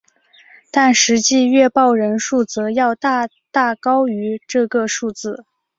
但实际阅报人数则要大大高于这个数字。